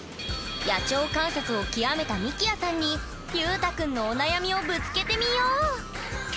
野鳥観察を極めたみきやさんにゆうたくんのお悩みをぶつけてみよう！